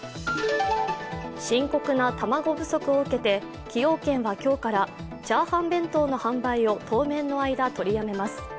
深刻な卵不足を受けて崎陽軒は今日から炒飯弁当の販売を当面の間、取りやめます。